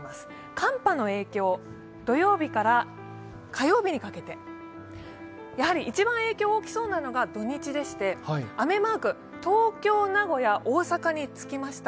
寒波の影響、土曜日から火曜日にかけて、やはり一番影響が大きそうなのが土日でして雨マーク、東京、名古屋大阪につきました。